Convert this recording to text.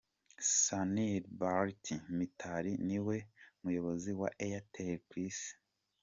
Sunil Bharti Mittal ni we muyobozi wa Airtel ku isi.